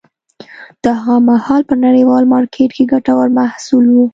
دا هغه مهال په نړیوال مارکېټ کې ګټور محصول و